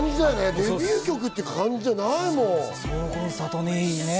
デビュー曲っていう感じじゃない。